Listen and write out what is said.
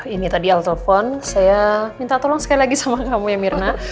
ini tadi al telepon saya minta tolong sekali lagi sama kamu ya mirna